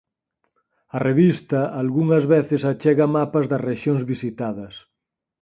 A revista algunhas veces achega mapas das rexións visitadas.